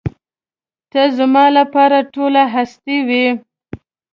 ته زما لپاره ټوله هستي وې.